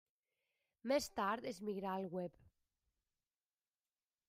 Més tard es migrà al web.